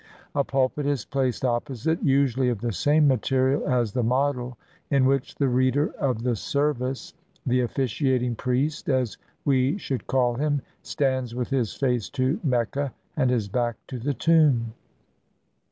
A pulpit is placed opposite, usually of the same material as the model, in which the reader of the ser\ace — the ofhciating priest, as we should call him — stands with his face to Mecca and his back to the tomb.